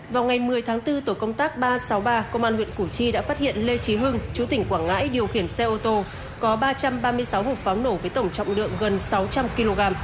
vào ngày một mươi tháng bốn tổ công tác ba trăm sáu mươi ba công an huyện củ chi đã phát hiện lê trí hưng chú tỉnh quảng ngãi điều khiển xe ô tô có ba trăm ba mươi sáu hộp pháo nổ với tổng trọng lượng gần sáu trăm linh kg